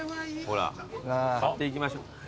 ほら買っていきましょう。